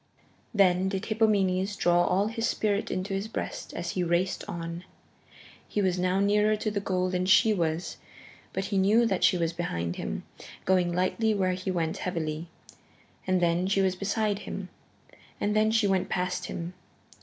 Then did Hippomenes draw all his spirit into his breast as he raced on. He was now nearer to the goal than she was. But he knew that she was behind him, going lightly where he went heavily. And then she was beside him, and then she went past him.